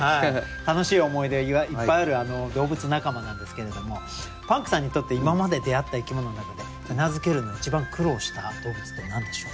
楽しい思い出がいっぱいある動物仲間なんですけれどもパンクさんにとって今まで出会った生き物の中で手なずけるのに一番苦労した動物って何でしょう？